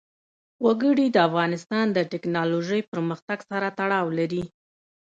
وګړي د افغانستان د تکنالوژۍ پرمختګ سره تړاو لري.